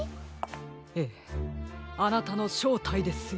ええあなたのしょうたいですよ。